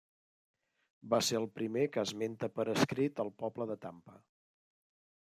Va ser el primer que esmenta per escrit el poble de Tampa.